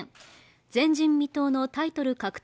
前人未到のタイトル獲得